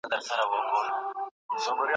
د تیزس مسوده باید په پاکه بڼه وي.